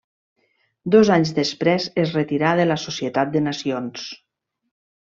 Dos anys després es retirà de la Societat de Nacions.